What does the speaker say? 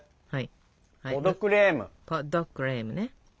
はい。